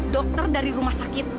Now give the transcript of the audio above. dokter dari rumah sakit